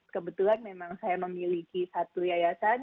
kebetulan memang saya memiliki satu yayasan